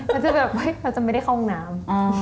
แล้วการที่แย่หรือลำบากที่สุดไหม